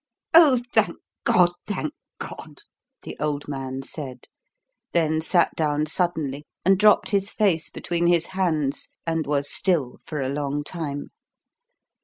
"Oh, thank God! thank God!" the old man said; then sat down suddenly and dropped his face between his hands and was still for a long time.